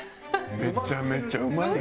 めちゃめちゃうまいやん。